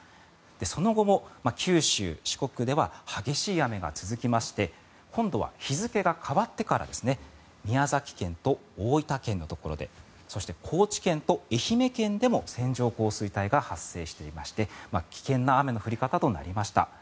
その後も九州、四国では激しい雨が続きまして今度は日付が変わってから宮崎県と大分県のところでそして、高知県と愛媛県でも線状降水帯が発生していまして危険な雨の降り方となりました。